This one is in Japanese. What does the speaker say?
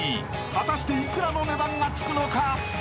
［果たして幾らの値段がつくのか？］